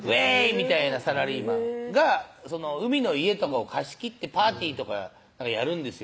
みたいなサラリーマンが海の家とかを貸し切ってパーティーとかやるんですよ